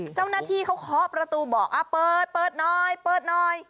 เจ้าหน้าที่เขาเคาะประตูบอกเปิดเปิดหน่อยเปิดหน่อย